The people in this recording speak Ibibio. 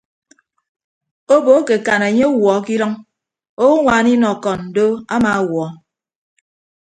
Obo akekan enye ọwuọ ke idʌñ owoñwaan inọkon do amawuọ.